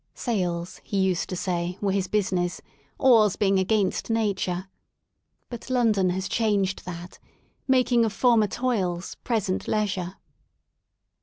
Sails, he used to say, were his business, oars being against nature. — But London has changed that, making of former toils present leisure.